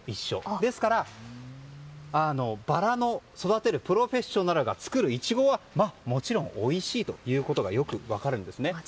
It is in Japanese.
ですからバラの育てるプロフェッショナルが作るイチゴはもちろんおいしいということがよく分かるんです。